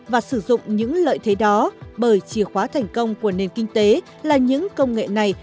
và sử dụng những lợi thế đó bởi chìa khóa thành công của nền kinh tế là những công nghệ này